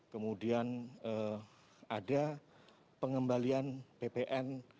kemudian ada pengembalian ppn